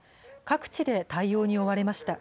各地で対応に追われました。